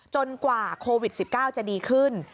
กว่าโควิด๑๙จะดีขึ้น